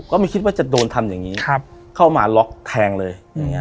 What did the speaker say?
ไม่คิดว่าจะโดนทำอย่างนี้เข้ามาล็อกแทงเลย